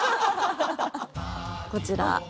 こちら。